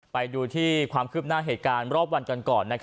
ไปดูที่ความคืบหน้าเหตุการณ์รอบวันกันก่อน